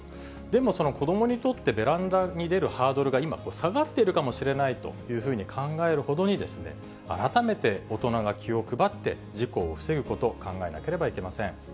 でも、その子どもにとって、ベランダに出るハードルが今、下がっているかもしれないというふうに考えるほどに、改めて大人が気を配って、事故を防ぐことを考えなければいけません。